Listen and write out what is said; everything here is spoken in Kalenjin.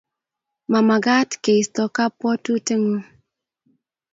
Ma magaat keisto kabwatengung